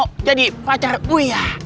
udah mau jadi pacar uya